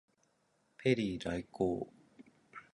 ペリー来航